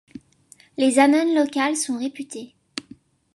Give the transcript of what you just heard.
Les annones locales sont réputées.